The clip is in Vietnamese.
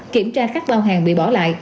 kiểm tra các bao hàng bị bỏ lại